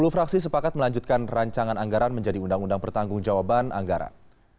sepuluh fraksi sepakat melanjutkan rancangan anggaran menjadi undang undang pertanggung jawaban anggaran